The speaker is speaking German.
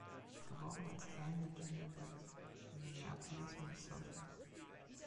Geboren als Helen Virginia Briggs in Minneapolis, Minnesota.